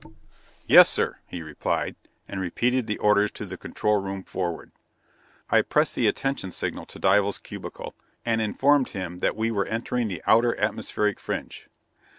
"Yes, sir!" he replied, and repeated the orders to the control room forward. I pressed the attention signal to Dival's cubicle, and informed him that we were entering the outer atmospheric fringe.